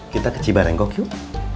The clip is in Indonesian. kita ke cibarengkok yuk